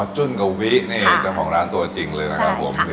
อ๋อจุ่นกับวินี่จะของร้านตัวจริงเลยนะครับผม